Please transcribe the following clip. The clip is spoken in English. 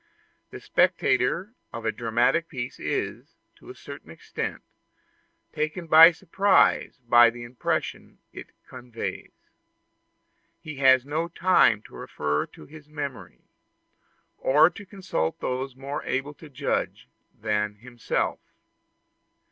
The spectator of a dramatic piece is, to a certain extent, taken by surprise by the impression it conveys. He has no time to refer to his memory, or to consult those more able to judge than himself.